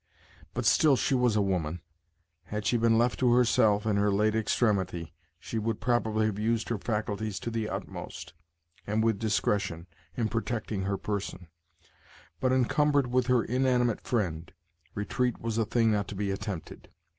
But still she was a woman. Had she been left to herself in her late extremity, she would probably have used her faculties to the utmost, and with discretion, in protecting her person; but, encumbered with her inanimate friend, retreat was a thing not to be attempted.